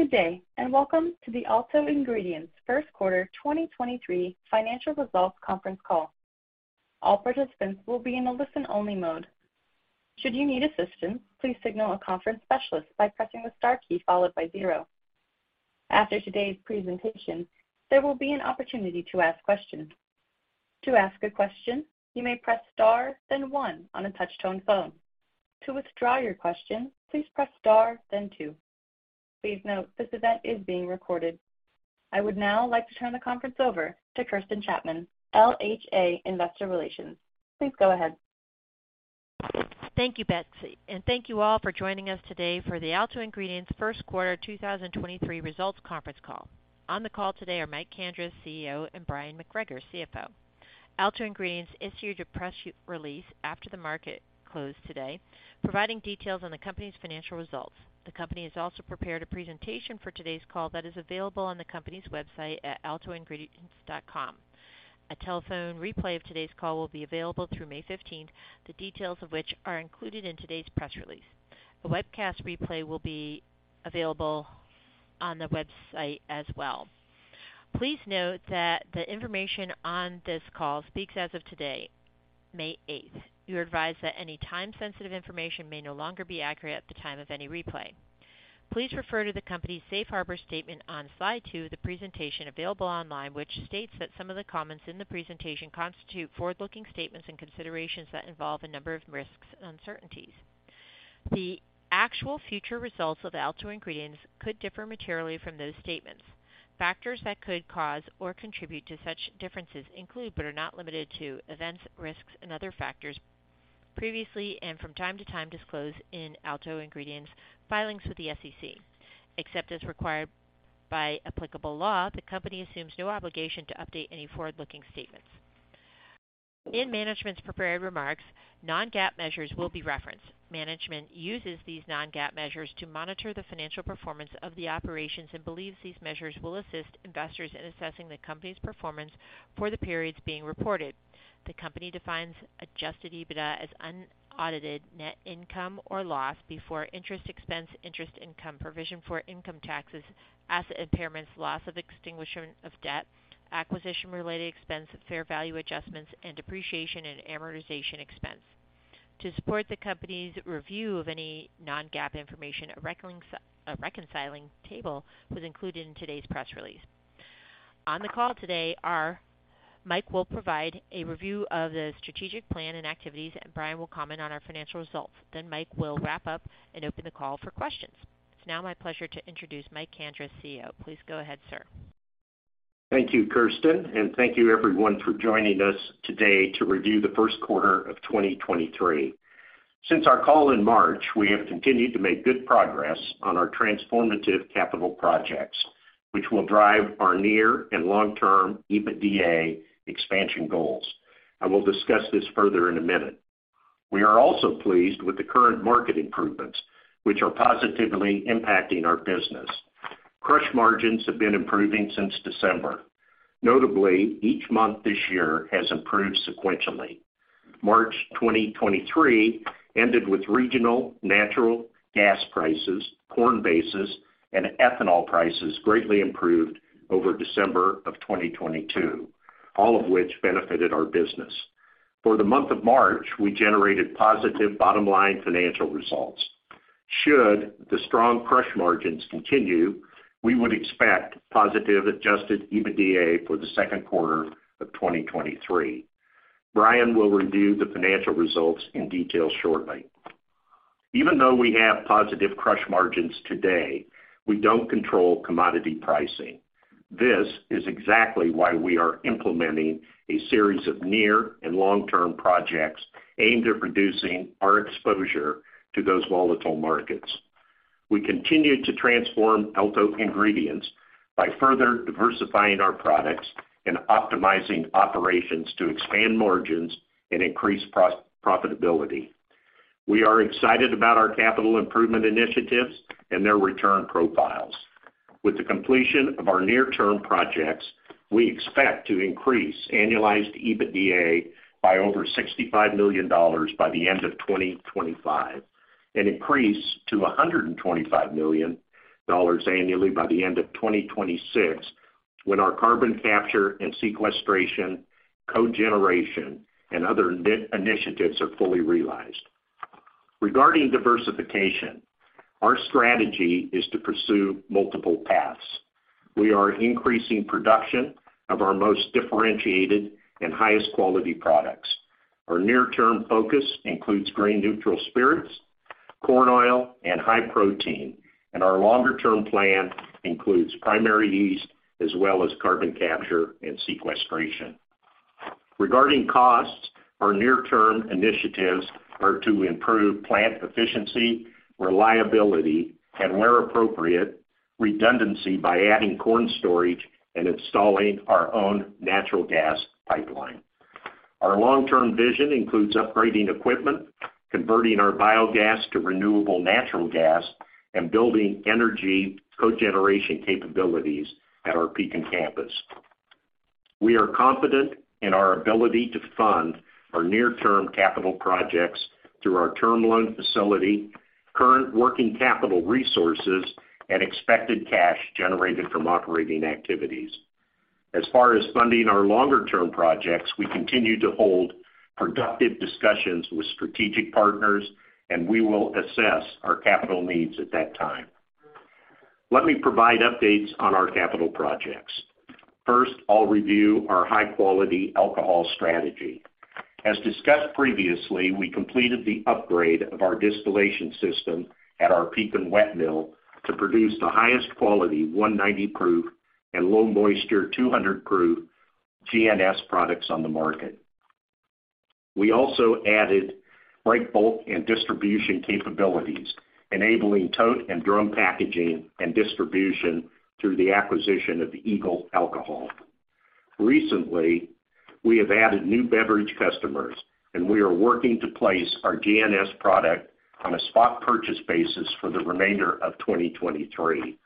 Good day, and welcome to the Alto Ingredients first quarter 2023 financial results conference call. All participants will be in a listen-only mode. Should you need assistance, please signal a conference specialist by pressing the star key followed by zero. After today's presentation, there will be an opportunity to ask questions. To ask a question, you may press star then one on a touch-tone phone. To withdraw your question, please press star then two. Please note this event is being recorded. I would now like to turn the conference over to Kirsten Chapman, LHA Investor Relations. Please go ahead. Thank you, Betsy, and thank you all for joining us today for the Alto Ingredients first quarter 2023 results conference call. On the call today are Mike Kandris, CEO, and Bryon McGregor, CFO. Alto Ingredients issued a press release after the market closed today, providing details on the company's financial results. The company has also prepared a presentation for today's call that is available on the company's website at altoingredients.com. A telephone replay of today's call will be available through May 15th, the details of which are included in today's press release. A webcast replay will be available on the website as well. Please note that the information on this call speaks as of today, May 8th. You are advised that any time-sensitive information may no longer be accurate at the time of any replay. Please refer to the company's safe harbor statement on slide two of the presentation available online, which states that some of the comments in the presentation constitute forward-looking statements and considerations that involve a number of risks and uncertainties. The actual future results of Alto Ingredients could differ materially from those statements. Factors that could cause or contribute to such differences include, but are not limited to, events, risks, and other factors previously and from time to time disclose in Alto Ingredients filings with the SEC. Except as required by applicable law, the company assumes no obligation to update any forward-looking statements. In management's prepared remarks, non-GAAP measures will be referenced. Management uses these non-GAAP measures to monitor the financial performance of the operations and believes these measures will assist investors in assessing the company's performance for the periods being reported. The company defines adjusted EBITDA as unaudited net income or loss before interest expense, interest income, provision for income taxes, asset impairments, loss of extinguishment of debt, acquisition-related expense, fair value adjustments, and depreciation and amortization expense. To support the company's review of any non-GAAP information, a reconciling table was included in today's press release. Mike will provide a review of the strategic plan and activities. Bryon will comment on our financial results. Mike will wrap up and open the call for questions. It's now my pleasure to introduce Mike Kandris, CEO. Please go ahead, sir. Thank you, Kirsten, and thank you everyone for joining us today to review the first quarter of 2023. Since our call in March, we have continued to make good progress on our transformative capital projects, which will drive our near- and long-term EBITDA expansion goals. I will discuss this further in a minute. We are also pleased with the current market improvements, which are positively impacting our business. Crush margins have been improving since December. Notably, each month this year has improved sequentially. March 2023 ended with regional natural gas prices, corn bases, and ethanol prices greatly improved over December 2022, all of which benefited our business. For the month of March, we generated positive bottom-line financial results. Should the strong crush margins continue, we would expect positive adjusted EBITDA for the second quarter of 2023. Bryon will review the financial results in detail shortly. Even though we have positive crush margins today, we don't control commodity pricing. This is exactly why we are implementing a series of near- and long-term projects aimed at reducing our exposure to those volatile markets. We continue to transform Alto Ingredients by further diversifying our products and optimizing operations to expand margins and increase profitability. We are excited about our capital improvement initiatives and their return profiles. With the completion of our near-term projects, we expect to increase annualized EBITDA by over $65 million by the end of 2025, an increase to $125 million annually by the end of 2026, when our carbon capture and sequestration, cogeneration, and other initiatives are fully realized. Regarding diversification, our strategy is to pursue multiple paths. We are increasing production of our most differentiated and highest quality products. Our near-term focus includes grain neutral spirits, corn oil, and high protein. Our longer-term plan includes primary yeast as well as carbon capture and sequestration. Regarding costs, our near-term initiatives are to improve plant efficiency, reliability, and where appropriate, redundancy by adding corn storage and installing our own natural gas pipeline. Our long-term vision includes upgrading equipment, converting our biogas to renewable natural gas, and building energy cogeneration capabilities at our Pekin Campus. We are confident in our ability to fund our near-term capital projects through our term loan facility, current working capital resources, and expected cash generated from operating activities. As far as funding our longer-term projects, we continue to hold productive discussions with strategic partners, and we will assess our capital needs at that time. Let me provide updates on our capital projects. First, I'll review our high-quality alcohol strategy. As discussed previously, we completed the upgrade of our distillation system at our Pekin wet mill to produce the highest quality 190-proof and low-moisture 200-proof GNS products on the market. We also added breakbulk and distribution capabilities, enabling tote and drum packaging and distribution through the acquisition of Eagle Alcohol. Recently, we have added new beverage customers, and we are working to place our GNS product on a spot purchase basis for the remainder of 2023.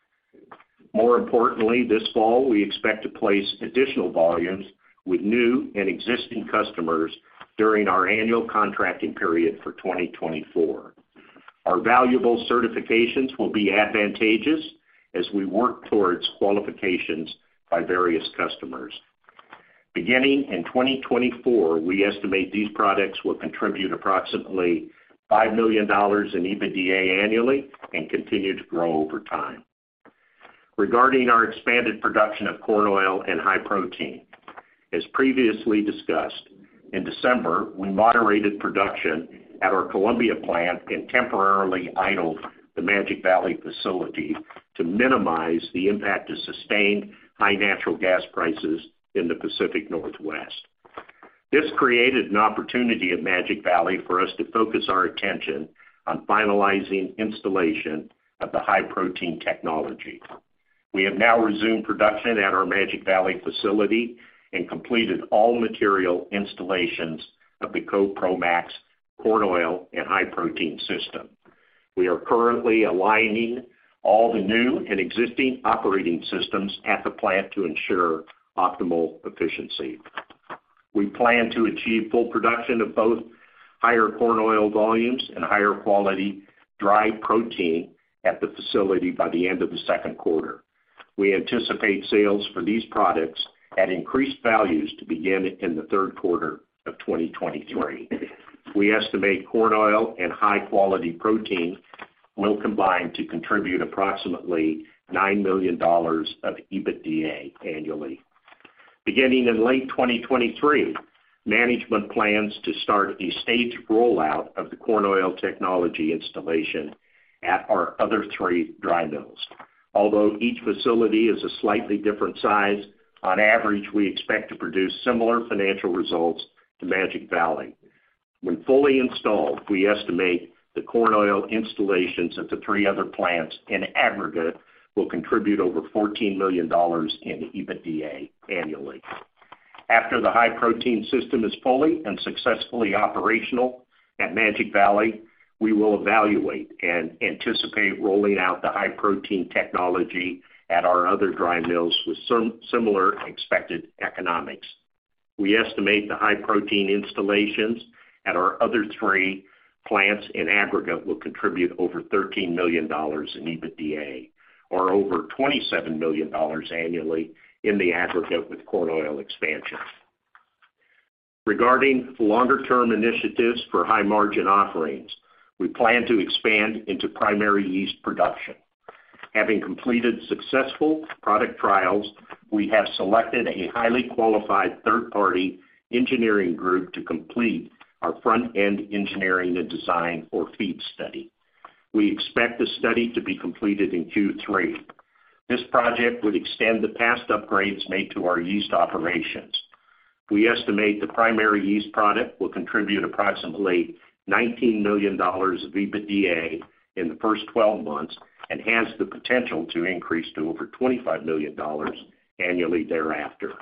More importantly, this fall, we expect to place additional volumes with new and existing customers during our annual contracting period for 2024. Our valuable certifications will be advantageous as we work towards qualifications by various customers. Beginning in 2024, we estimate these products will contribute approximately $5 million in EBITDA annually and continue to grow over time. Regarding our expanded production of corn oil and high protein. As previously discussed, in December, we moderated production at our Columbia plant and temporarily idled the Magic Valley facility to minimize the impact of sustained high natural gas prices in the Pacific Northwest. This created an opportunity at Magic Valley for us to focus our attention on finalizing installation of the high-protein technology. We have now resumed production at our Magic Valley facility and completed all material installations of the CoProMax corn oil and high-protein system. We are currently aligning all the new and existing operating systems at the plant to ensure optimal efficiency. We plan to achieve full production of both higher corn oil volumes and higher quality dry protein at the facility by the end of the second quarter. We anticipate sales for these products at increased values to begin in the third quarter of 2023. We estimate corn oil and high-quality protein will combine to contribute approximately $9 million of EBITDA annually. Beginning in late 2023, management plans to start a staged rollout of the corn oil technology installation at our other three dry mills. Although each facility is a slightly different size, on average, we expect to produce similar financial results to Magic Valley. When fully installed, we estimate the corn oil installations at the three other plants in aggregate will contribute over $14 million in EBITDA annually. After the high-protein system is fully and successfully operational at Magic Valley, we will evaluate and anticipate rolling out the high-protein technology at our other dry mills with similar expected economics. We estimate the high-protein installations at our other three plants in aggregate will contribute over $13 million in EBITDA, or over $27 million annually in the aggregate with corn oil expansions. Regarding longer-term initiatives for high-margin offerings, we plan to expand into primary yeast production. Having completed successful product trials, we have selected a highly qualified third-party engineering group to complete our front-end engineering and design or FEED study. We expect the study to be completed in Q3. This project would extend the past upgrades made to our yeast operations. We estimate the primary yeast product will contribute approximately $19 million of EBITDA in the first 12 months and has the potential to increase to over $25 million annually thereafter.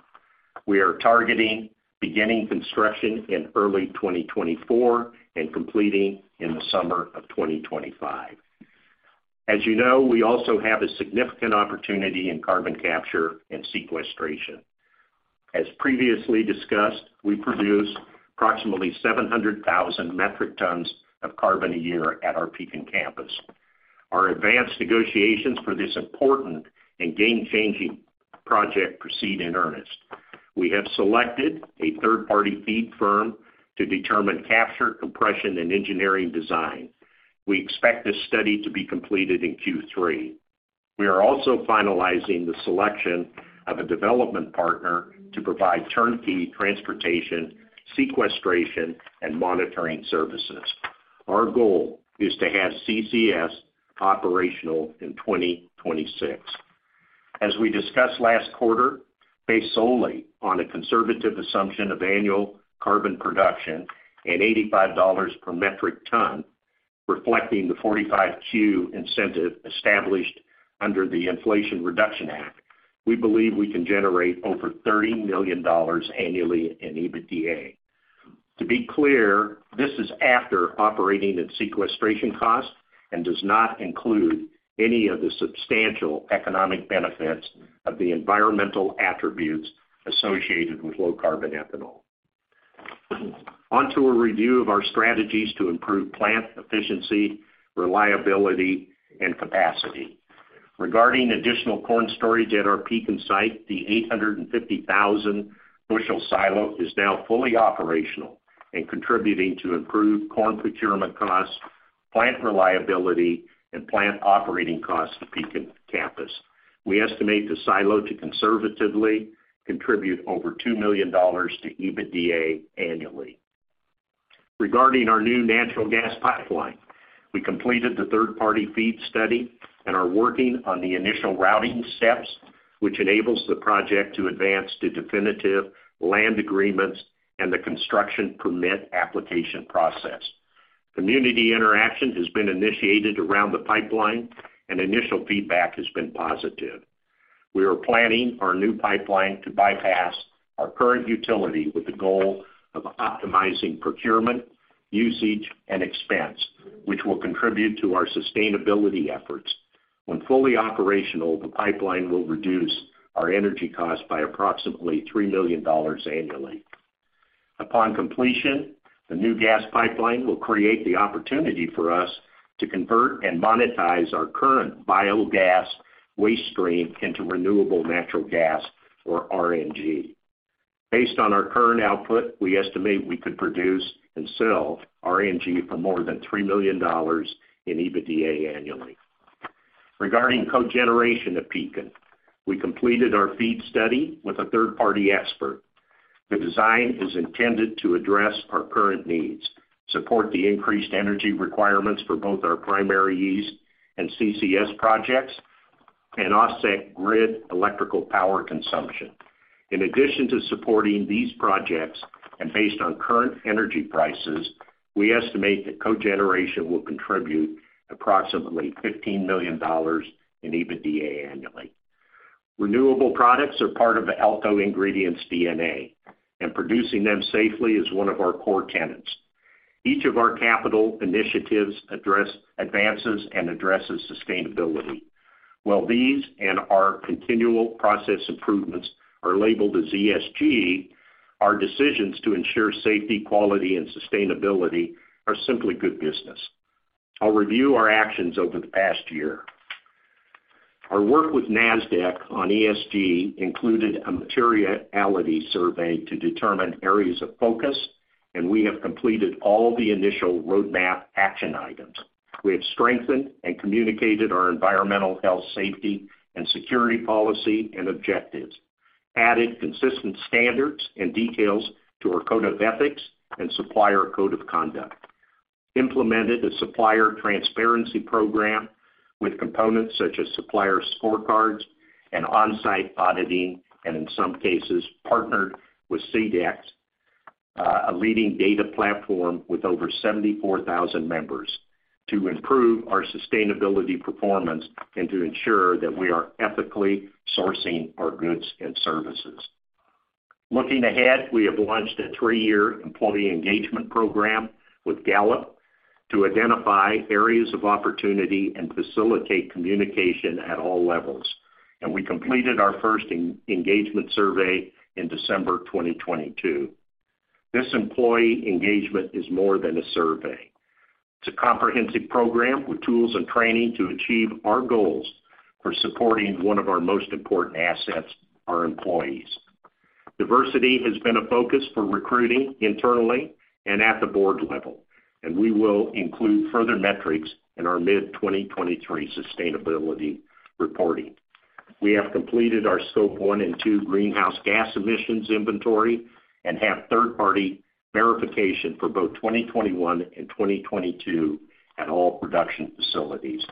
We are targeting beginning construction in early 2024 and completing in the summer of 2025. As you know, we also have a significant opportunity in carbon capture and sequestration. As previously discussed, we produce approximately 700,000 metric tons of carbon a year at our Pekin Campus. Our advanced negotiations for this important and game-changing project proceed in earnest. We have selected a third-party FEED firm to determine capture, compression, and engineering design. We expect this study to be completed in Q3. We are also finalizing the selection of a development partner to provide turnkey transportation, sequestration, and monitoring services. Our goal is to have CCS operational in 2026. As we discussed last quarter, based solely on a conservative assumption of annual carbon production and $85 per metric ton, reflecting the 45Q incentive established under the Inflation Reduction Act, we believe we can generate over $30 million annually in EBITDA. To be clear, this is after operating and sequestration costs and does not include any of the substantial economic benefits of the environmental attributes associated with low carbon ethanol. A review of our strategies to improve plant efficiency, reliability, and capacity. Regarding additional corn storage at our Pekin site, the 850,000 bushel silo is now fully operational and contributing to improved corn procurement costs, plant reliability, and plant operating costs at Pekin Campus. We estimate the silo to conservatively contribute over $2 million to EBITDA annually. Regarding our new natural gas pipeline, we completed the third-party FEED study and are working on the initial routing steps, which enables the project to advance to definitive land agreements and the construction permit application process. Community interaction has been initiated around the pipeline, and initial feedback has been positive. We are planning our new pipeline to bypass our current utility with the goal of optimizing procurement, usage, and expense, which will contribute to our sustainability efforts. When fully operational, the pipeline will reduce our energy costs by approximately $3 million annually. Upon completion, the new gas pipeline will create the opportunity for us to convert and monetize our current biogas waste stream into renewable natural gas, or RNG. Based on our current output, we estimate we could produce and sell RNG for more than $3 million in EBITDA annually. Regarding cogeneration at Pekin, we completed our FEED study with a third-party expert. The design is intended to address our current needs, support the increased energy requirements for both our primary yeast and CCS projects, and offset grid electrical power consumption. In addition to supporting these projects and based on current energy prices, we estimate that cogeneration will contribute approximately $15 million in EBITDA annually. Renewable products are part of the Alto Ingredients DNA, and producing them safely is one of our core tenets. Each of our capital initiatives advances and addresses sustainability. While these and our continual process improvements are labeled as ESG, our decisions to ensure safety, quality, and sustainability are simply good business. I'll review our actions over the past year. Our work with Nasdaq on ESG included a materiality survey to determine areas of focus, and we have completed all the initial roadmap action items. We have strengthened and communicated our environmental health safety and security policy and objectives, added consistent standards and details to our code of ethics and supplier code of conduct. Implemented a supplier transparency program with components such as supplier scorecards and on-site auditing, and in some cases, partnered with Sedex, a leading data platform with over 74,000 members, to improve our sustainability performance and to ensure that we are ethically sourcing our goods and services. Looking ahead, we have launched a three-year employee engagement program with Gallup to identify areas of opportunity and facilitate communication at all levels, and we completed our first engagement survey in December 2022. This employee engagement is more than a survey. It's a comprehensive program with tools and training to achieve our goals for supporting one of our most important assets, our employees. Diversity has been a focus for recruiting internally and at the board level. We will include further metrics in our mid-2023 sustainability reporting. We have completed our Scope 1 and Scope 2 greenhouse gas emissions inventory and have third-party verification for both 2021 and 2022 at all production facilities.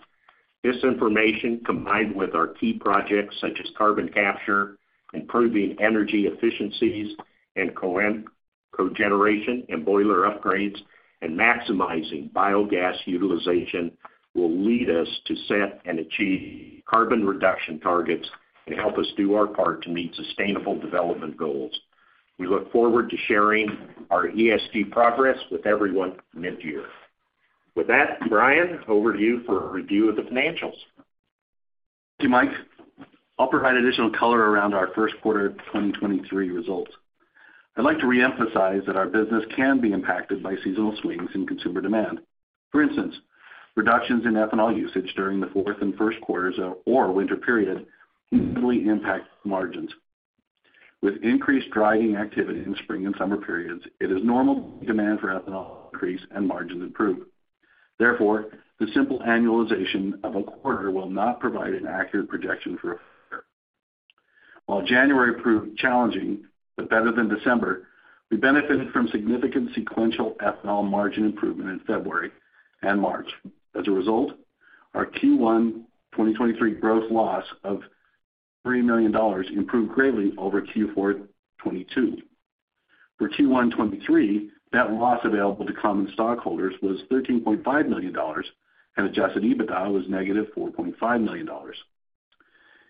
This information, combined with our key projects such as carbon capture, improving energy efficiencies and cogeneration and boiler upgrades, and maximizing biogas utilization, will lead us to set and achieve carbon reduction targets and help us do our part to meet sustainable development goals. We look forward to sharing our ESG progress with everyone mid-year. With that, Bryon, over to you for a review of the financials. Thank you, Mike. I'll provide additional color around our first quarter 2023 results. I'd like to reemphasize that our business can be impacted by seasonal swings in consumer demand. For instance, reductions in ethanol usage during the fourth and first quarters or winter period usually impact margins. With increased driving activity in spring and summer periods, it is normal demand for ethanol increase and margins improve. The simple annualization of a quarter will not provide an accurate projection for a fair. January proved challenging but better than December, we benefited from significant sequential ethanol margin improvement in February and March. Our Q1 2023 gross loss of $3 million improved greatly over Q4 2022. For Q1 2023, net loss available to common stockholders was $13.5 million, and adjusted EBITDA was -$4.5 million.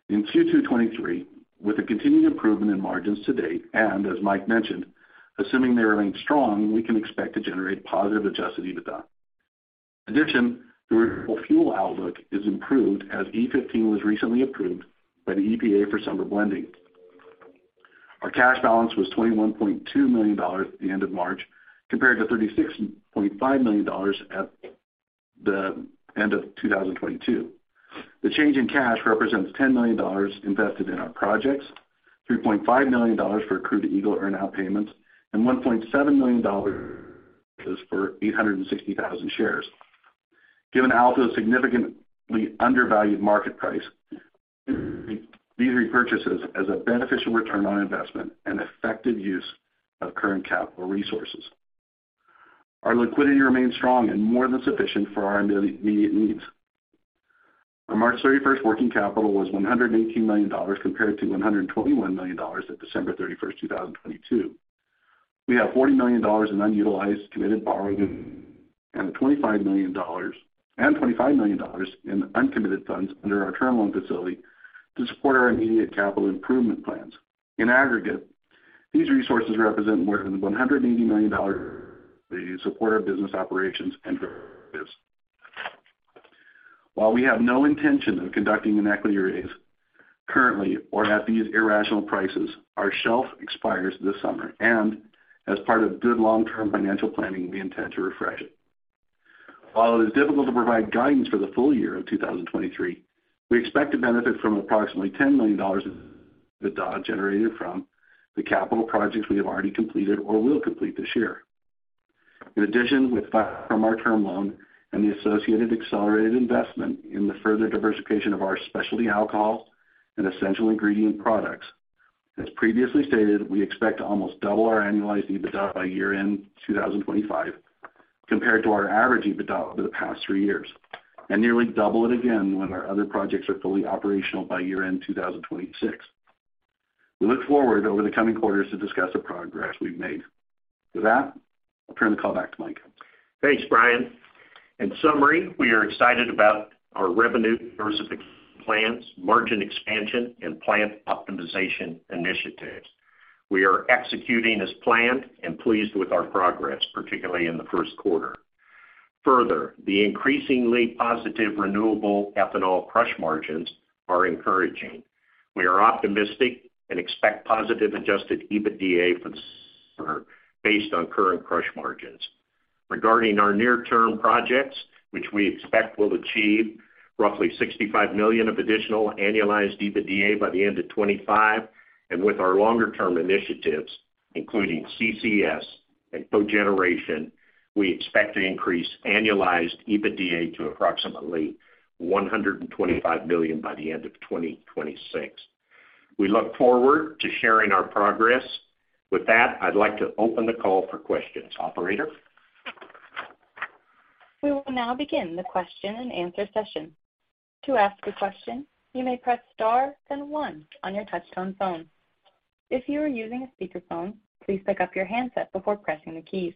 In Q2 2023, with a continued improvement in margins to date, and as Mike mentioned, assuming they remain strong, we can expect to generate positive adjusted EBITDA. In addition, the renewable fuel outlook is improved as E15 was recently approved by the EPA for summer blending. Our cash balance was $21.2 million at the end of March, compared to $36.5 million at the end of 2022. The change in cash represents $10 million invested in our projects, $3.5 million for crude to Eagle earnout payments, and $1.7 million is for 860,000 shares. Given Alto's significantly undervalued market price, these repurchases as a beneficial return on investment and effective use of current capital resources. Our liquidity remains strong and more than sufficient for our immediate needs. Our March 31st working capital was $118 million compared to $121 million at December 31st, 2022. We have $40 million in unutilized committed borrowing and $25 million in uncommitted funds under our term loan facility to support our immediate capital improvement plans. In aggregate, these resources represent more than $180 million to support our business operations and priorities. While we have no intention of conducting an equity raise currently or at these irrational prices, our shelf expires this summer, and as part of good long-term financial planning, we intend to refresh it. While it is difficult to provide guidance for the full year of 2023, we expect to benefit from approximately $10 million of EBITDA generated from the capital projects we have already completed or will complete this year. In addition, from our term loan and the associated accelerated investment in the further diversification of our specialty alcohol and essential ingredient products, as previously stated, we expect to almost double our annualized EBITDA by year-end 2025 compared to our average EBITDA over the past three years, and nearly double it again when our other projects are fully operational by year-end 2026. We look forward over the coming quarters to discuss the progress we've made. With that, I'll turn the call back to Mike. Thanks, Bryon. In summary, we are excited about our revenue plans, margin expansion and plant optimization initiatives. We are executing as planned and pleased with our progress, particularly in the first quarter. The increasingly positive renewable ethanol crush margins are encouraging. We are optimistic and expect positive adjusted EBITDA for based on current crush margins. Regarding our near-term projects, which we expect will achieve roughly $65 million of additional annualized EBITDA by the end of 2025, and with our longer term initiatives, including CCS and cogeneration, we expect to increase annualized EBITDA to approximately $125 million by the end of 2026. We look forward to sharing our progress. With that, I'd like to open the call for questions. Operator? We will now begin the question and answer session. To ask a question, you may press star then one on your touch-tone phone. If you are using a speakerphone, please pick up your handset before pressing the keys.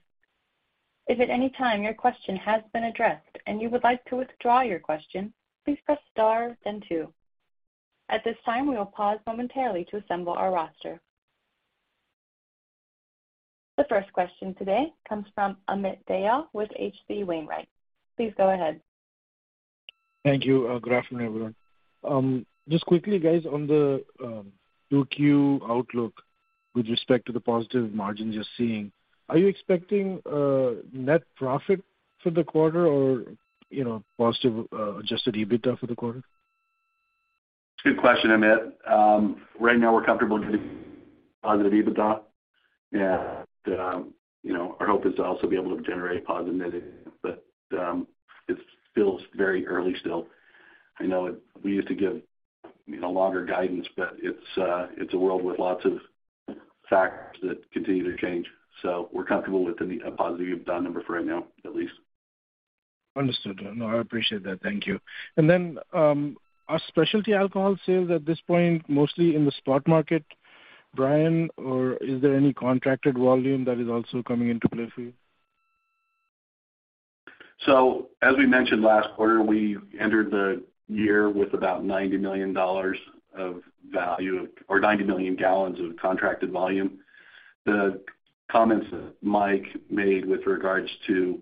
If at any time your question has been addressed and you would like to withdraw your question, please press star then two. At this time, we will pause momentarily to assemble our roster. The first question today comes from Amit Dayal with H.C. Wainwright. Please go ahead. Thank you. Good afternoon, everyone. Just quickly, guys, on the 2Q outlook with respect to the positive margins you're seeing, are you expecting net profit for the quarter or, you know, positive adjusted EBITDA for the quarter? Good question, Amit. Right now we're comfortable with positive EBITDA. You know, our hope is to also be able to generate positive net income. It feels very early still. I know we used to give, you know, longer guidance, but it's a world with lots of facts that continue to change. We're comfortable with a positive EBITDA number for right now, at least. Understood. No, I appreciate that. Thank you. Then, are specialty alcohol sales at this point mostly in the spot market, Bryon, or is there any contracted volume that is also coming into play for you? As we mentioned last quarter, we entered the year with about $90 million or 90 million gallons of contracted volume. The comments that Mike made with regards to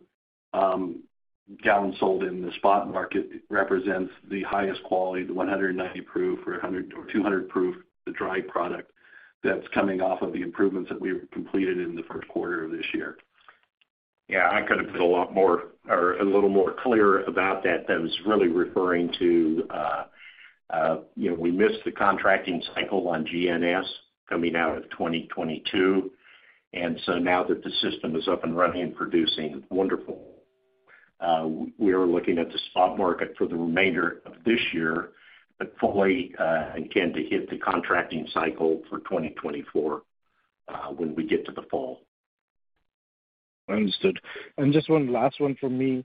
gallons sold in the spot market represents the highest quality, the 190-proof or 200-proof, the dried product that's coming off of the improvements that we've completed in the first quarter of this year. Yeah, I could have been a lot more or a little more clear about that. That was really referring to, you know, we missed the contracting cycle on GNS coming out of 2022. Now that the system is up and running and producing wonderful, we are looking at the spot market for the remainder of this year, but fully intend to hit the contracting cycle for 2024 when we get to the fall. Understood. Just one last one from me.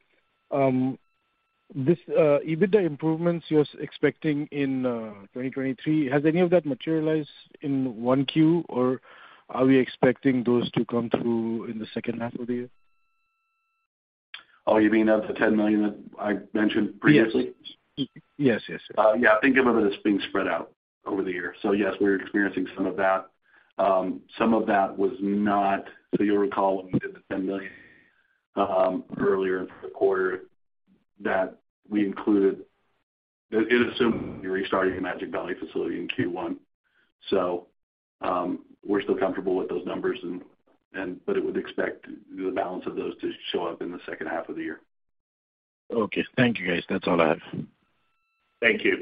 This EBITDA improvements you're expecting in 2023, has any of that materialized in 1Q, or are we expecting those to come through in the second half of the year? Oh, you mean of the $10 million that I mentioned previously? Yes. Yes, yes. Yeah, think of it as being spread out over the year. Yes, we're experiencing some of that. Some of that was not... You'll recall when we did the $10 million earlier in the quarter that we included, it assumed restarting the Magic Valley facility in Q1. We're still comfortable with those numbers and, but it would expect the balance of those to show up in the second half of the year. Okay. Thank you, guys. That's all I have. Thank you.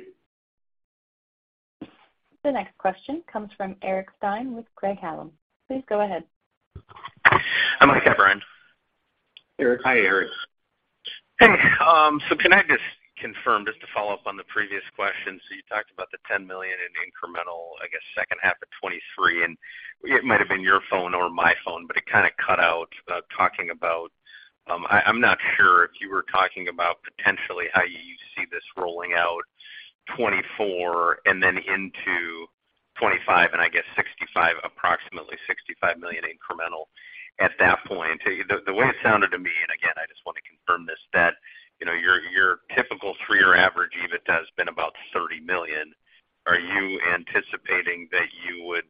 The next question comes from Eric Stine with Craig-Hallum. Please go ahead. Hi, Bryon. Eric. Hi, Eric. Can I just confirm, just to follow up on the previous question? You talked about the $10 million in incremental, I guess second half of 2023, and it might have been your phone or my phone, but it kinda cut out talking about, I'm not sure if you were talking about potentially how you see this rolling out 2024 and then into 2025, and I guess $65 million, approximately $65 million incremental at that point. The way it sounded to me, and again, I just wanna confirm this, that, you know, your typical three-year average, even though it has been about $30 million, are you anticipating that you would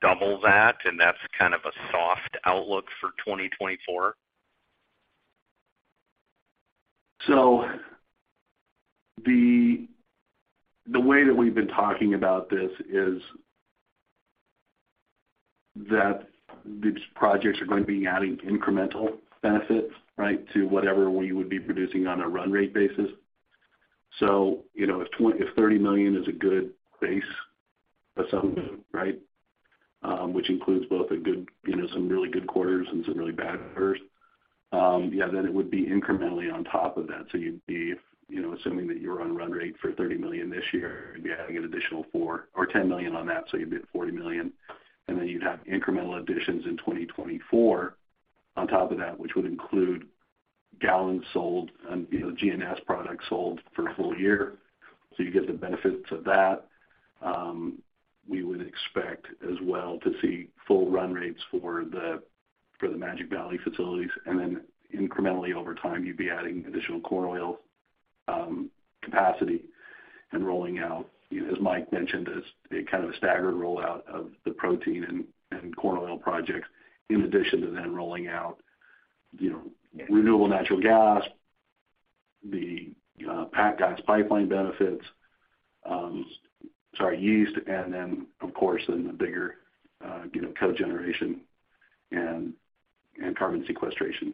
double that, and that's kind of a soft outlook for 2024? The way that we've been talking about this is that these projects are going to be adding incremental benefits, right? To whatever we would be producing on a run rate basis. You know, if $30 million is a good base assumption, right? Which includes both a good, you know, some really good quarters and some really bad quarters, yeah, then it would be incrementally on top of that. You'd be, you know, assuming that you're on run rate for $30 million this year, you'd be adding an additional $4 million or $10 million on that, so you'd be at $40 million. Then you'd have incremental additions in 2024 on top of that, which would include gallons sold and, you know, GNS products sold for a full year. You get the benefit to that. We would expect as well to see full run rates for the Magic Valley facilities, and then incrementally over time, you'd be adding additional corn oil capacity and rolling out, you know, as Mike mentioned, as a kind of a staggered rollout of the protein and corn oil projects, in addition to then rolling out, you know, renewable natural gas, the packed gas pipeline benefits, sorry, yeast and then of course, in the bigger, you know, cogeneration and carbon sequestration.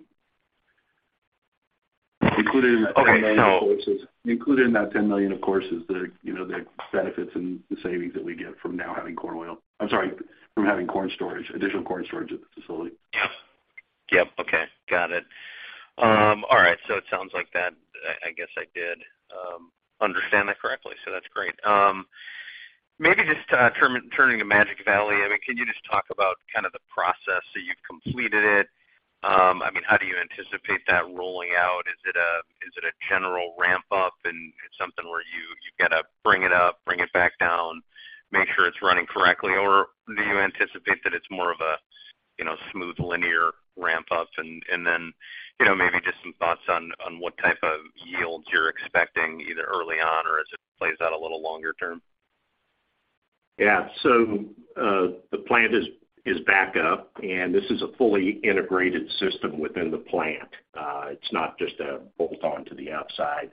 Okay. Included in that $10 million, of course, is the, you know, the benefits and the savings that we get from now having corn oil. I'm sorry, from having corn storage, additional corn storage at the facility. Yep. Yep. Okay. Got it. All right. It sounds like that, I guess I did understand that correctly, so that's great. Maybe just turning to Magic Valley, I mean, can you just talk about kind of the process? You've completed it. I mean, how do you anticipate that rolling out? Is it a general ramp up and it's something where you gotta bring it up, bring it back down, make sure it's running correctly? Or do you anticipate that it's more of a, you know, smooth linear ramp up? Then, you know, maybe just some thoughts on what type of yields you're expecting either early on or as it plays out a little longer term. The plant is back up, and this is a fully integrated system within the plant. It's not just a bolt on to the outside.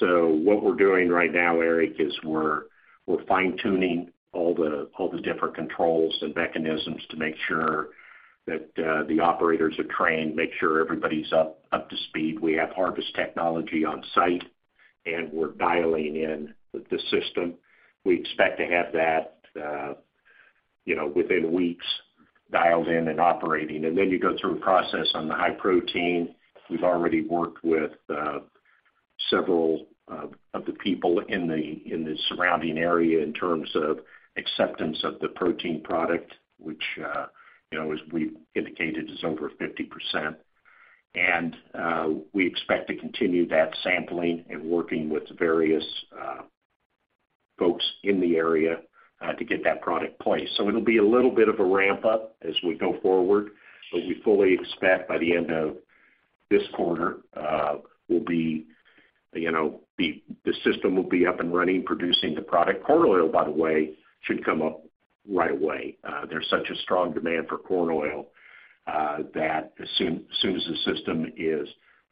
What we're doing right now, Eric, is we're fine-tuning all the different controls and mechanisms to make sure that the operators are trained, make sure everybody's up to speed. We have harvesting technology on site, and we're dialing in the system. We expect to have that, you know, within weeks dialed in and operating. Then you go through a process on the high protein. We've already worked with several of the people in the surrounding area in terms of acceptance of the protein product, which, you know, as we've indicated, is over 50%. We expect to continue that sampling and working with various folks in the area to get that product placed. It'll be a little bit of a ramp up as we go forward, but we fully expect by the end of this quarter, we'll be, you know, the system will be up and running, producing the product. Corn oil, by the way, should come up right away. There's such a strong demand for corn oil that as soon as the system is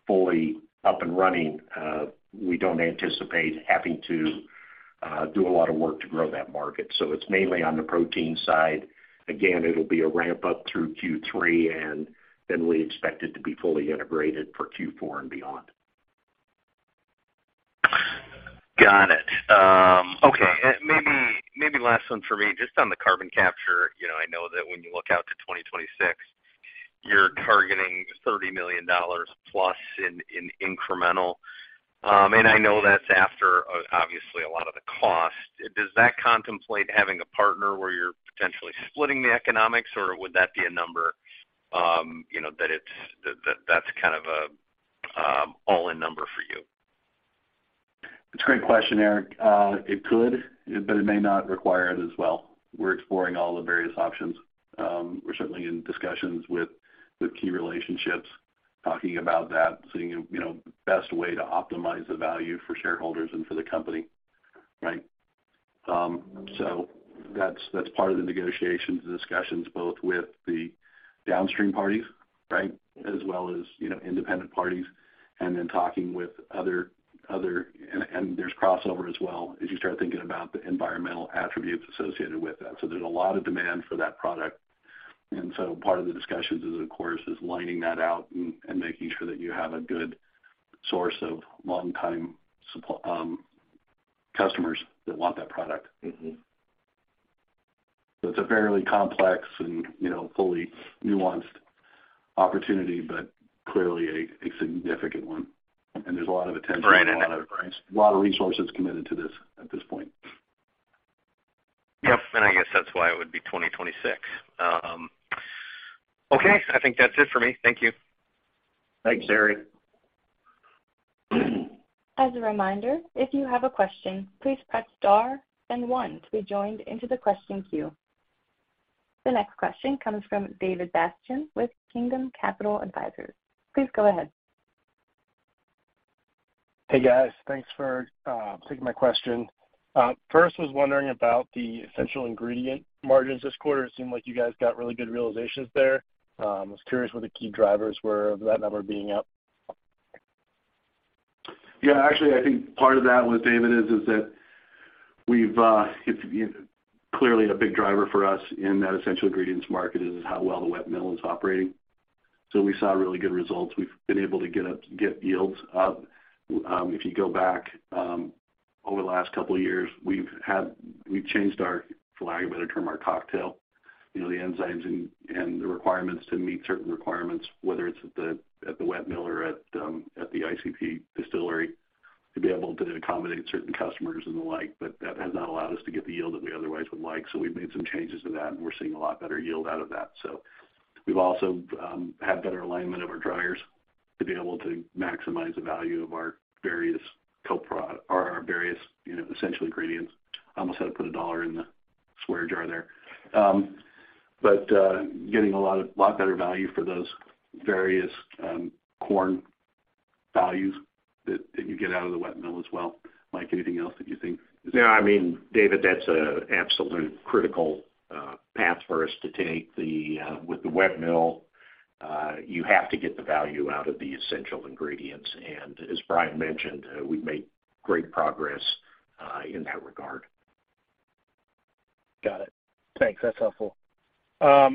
fully up and running, we don't anticipate having to do a lot of work to grow that market. It's mainly on the protein side. It'll be a ramp up through Q3, and then we expect it to be fully integrated for Q4 and beyond. Got it. Okay. Maybe, maybe last one for me, just on the carbon capture. You know, I know that when you look out to 2026, you're targeting $30 million plus in incremental. I know that's after obviously a lot of the cost. Does that contemplate having a partner where you're potentially splitting the economics, or would that be a number, you know, that's kind of a all-in number for you? It's a great question, Eric. It could, but it may not require it as well. We're exploring all the various options. We're certainly in discussions with key relationships, talking about that, seeing, you know, best way to optimize the value for shareholders and for the company, right? That's, that's part of the negotiations and discussions, both with the downstream parties, right? As well as, you know, independent parties and then talking with other. There's crossover as well as you start thinking about the environmental attributes associated with that. There's a lot of demand for that product. Part of the discussions is, of course, is lining that out and making sure that you have a good source of long-time customers that want that product. Mm-hmm. It's a fairly complex and, you know, fully nuanced opportunity, but clearly a significant one. There's a lot of attention- Right. A lot of resources committed to this at this point. Yep. I guess that's why it would be 2026. Okay. I think that's it for me. Thank you. Thanks, Eric. As a reminder, if you have a question, please press star then one to be joined into the question queue. The next question comes from David Bastian with Kingdom Capital Advisors. Please go ahead. Hey, guys. Thanks for taking my question. First, was wondering about the essential ingredient margins this quarter. It seemed like you guys got really good realizations there. Was curious what the key drivers were of that number being up. Yeah, actually, I think part of that with, David, is that we've, it's clearly a big driver for us in that essential ingredients market is how well the wet mill is operating. We saw really good results. We've been able to get yields up. If you go back over the last couple of years, we've changed our, for lack of a better term, our cocktail, you know, the enzymes and the requirements to meet certain requirements, whether it's at the wet mill or at the ICP distillery, to be able to accommodate certain customers and the like. That has not allowed us to get the yield that we otherwise would like. We've made some changes to that, and we're seeing a lot better yield out of that. We've also had better alignment of our dryers to be able to maximize the value of our various or our various, you know, essential ingredients. I almost had to put a dollar in the square jar there. But getting a lot better value for those various corn values that you get out of the wet mill as well. Mike, anything else that you think is? No, I mean, David, that's an absolute critical path for us to take. The with the wet mill, you have to get the value out of the essential ingredients. As Bryon mentioned, we've made great progress in that regard. Got it. Thanks. That's helpful.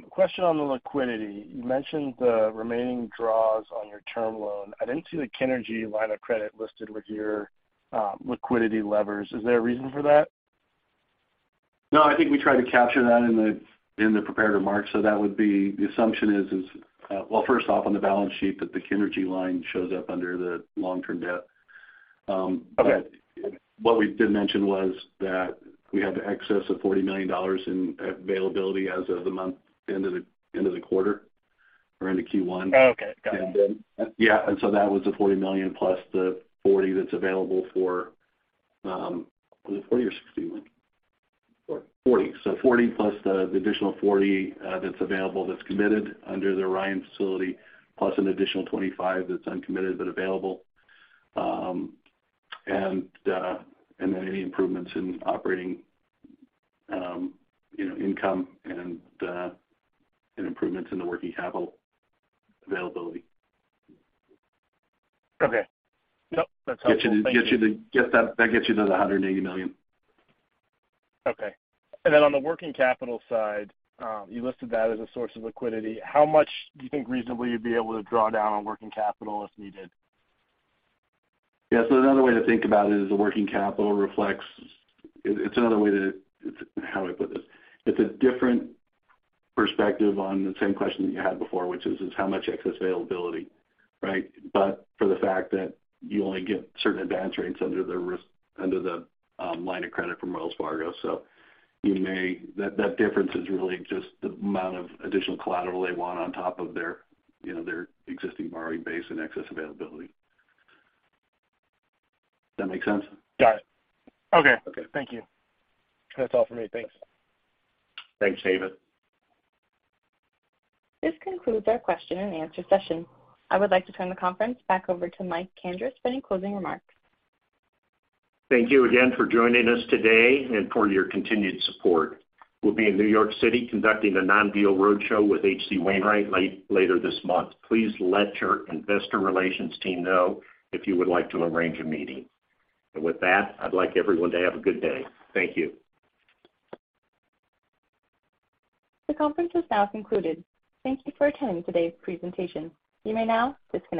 Question on the liquidity. You mentioned the remaining draws on your term loan. I didn't see the Kinergy line of credit listed with your liquidity levers. Is there a reason for that? I think we tried to capture that in the, in the prepared remarks. That would be the assumption is, well, first off, on the balance sheet that the Kinergy line shows up under the long-term debt. What we did mention was that we have the excess of $40 million in availability as of the month end of the, end of the quarter or end of Q1. Oh, okay. Got it. Yeah, so that was the $40 million plus the $40 that's available for, Was it $40 or $60, Mike? Forty. $40. $40 plus the additional $40 that's available, that's committed under the Orion facility, plus an additional $25 that's uncommitted but available. Then any improvements in operating, you know, income and improvements in the working capital availability. Okay. Nope. That's helpful. Thank you. That gets you to the $180 million. Okay. On the working capital side, you listed that as a source of liquidity. How much do you think reasonably you'd be able to draw down on working capital if needed? Yeah. Another way to think about it is the working capital reflects... It's another way to how do I put this? It's a different perspective on the same question that you had before, which is, how much excess availability, right? For the fact that you only get certain advantage rates under the line of credit from Wells Fargo. You may... That difference is really just the amount of additional collateral they want on top of their, you know, their existing borrowing base and excess availability. That make sense? Got it. Okay. Okay. Thank you. That's all for me. Thanks. Thanks, David. This concludes our question and answer session. I would like to turn the conference back over to Mike Kandris for any closing remarks. Thank you again for joining us today and for your continued support. We'll be in New York City conducting a non-deal roadshow with H.C. Wainwright later this month. Please let your investor relations team know if you would like to arrange a meeting. With that, I'd like everyone to have a good day. Thank you. The conference is now concluded. Thank Thank you for attending today's presentation. You may now disconnect.